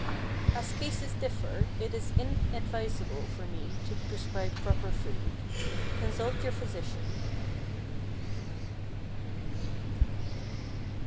As cases differ, it is inadvisable for me to prescribe proper food. Consult your physician.